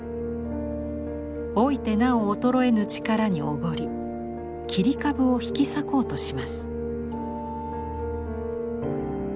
老いてなお衰えぬ力におごり切り株を引き裂こうとします。